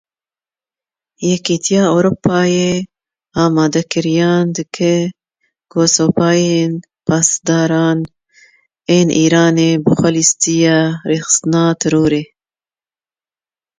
Yekîtiya Ewropayê amadekariyan dike ku Supayên Pasdaran ên Îranê bixe lîsteya rêxistina terorê.